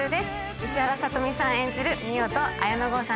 石原さとみさん演じる海音と綾野剛さん